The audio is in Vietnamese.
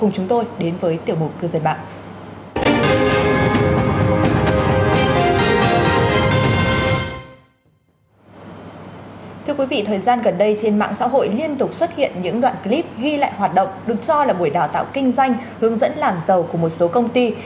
trong thời gian gần đây trên mạng xã hội liên tục xuất hiện những đoạn clip ghi lại hoạt động được cho là buổi đào tạo kinh doanh hướng dẫn làm giàu của một số công ty